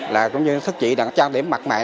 là cũng như sức trị đằng trang điểm mặt mẹ